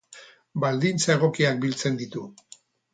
Baldintza egokiak biltzen ditu.